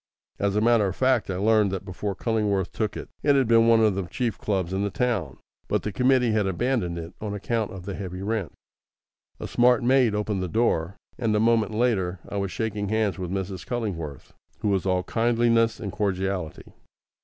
As a matter of fact, I learned that before Cullingworth took it, it had been one of the chief clubs in the town, but the committee had abandoned it on account of the heavy rent. A smart maid opened the door; and a moment later I was shaking hands with Mrs. Cullingworth, who was all kindliness and cordiality.